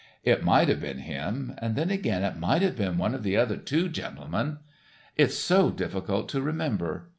It might have been him, and then again it might have been one of the other two gentlemen. It's so difficult to remember.